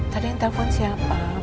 tadi yang telepon siapa